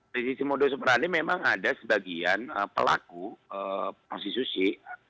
di sisi modus operandi memang ada sebagian pelaku prostitusi